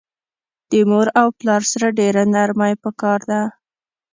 د مور او پلار سره ډیره نرمی پکار ده